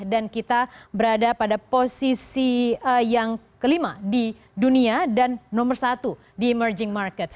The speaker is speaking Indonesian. dan kita berada pada posisi yang kelima di dunia dan nomor satu di emerging market